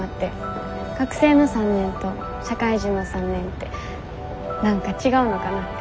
学生の３年と社会人の３年って何か違うのかなって。